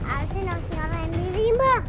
alvin harus nyarain diri mbah